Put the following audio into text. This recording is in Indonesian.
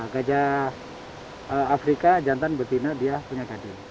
gajah afrika jantan betina dia punya kadin